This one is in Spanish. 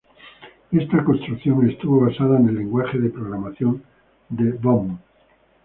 Esta construcción estuvo basada en el lenguaje de programación de Böhm.